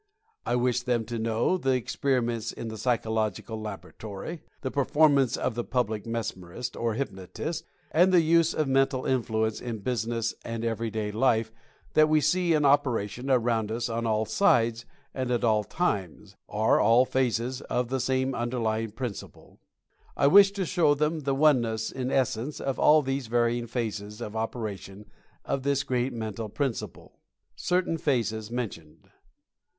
I wish them to know the experiments in the psychological lab oratory; the "performances" of the public mesmerist, or hypnotist ; and the use of Mental Influence in busi ness and everyday life that we see in operation around us on all sides, and at all times, are all phases of the same underlying principle. I wish to show them the oneness in essence of all these varying phases of operation of this great mental principle. CERTAIN PHASES MENTIONED.